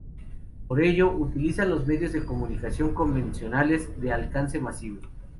Para ello, utilizan los medios de comunicación convencionales de alcance masivo.